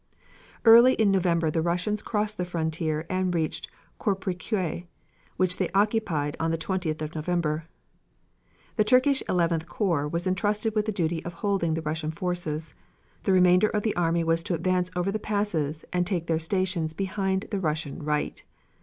Early in November the Russians crossed the frontier and reached Koprikeui, which they occupied on the 20th of November. The Turkish Eleventh corps was entrusted with the duty of holding the Russian forces; the remainder of the army was to advance over the passes and take their stations behind the Russian right.